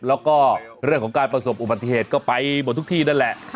แล้วก็เรื่องของการประสบอุบัติเหตุก็ไปหมดทุกที่นั่นแหละ